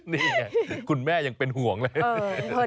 นี่ไงคุณแม่ยังเป็นห่วงเลย